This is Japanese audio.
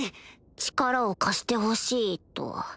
力を貸してほしいと